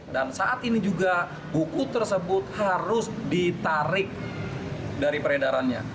dan saat ini juga buku tersebut harus ditarik dari peredarannya